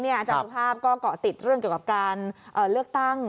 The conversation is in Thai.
อาจารย์สุภาพก็เกาะติดเรื่องเกี่ยวกับการเลือกตั้ง